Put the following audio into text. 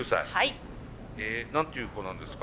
何ていう子なんですか？